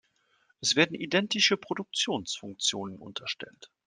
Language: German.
Es werden identische Produktionsfunktionen unterstellt.